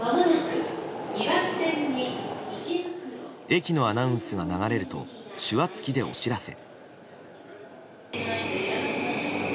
駅のアナウンスが流れると手話付きでお知らせ。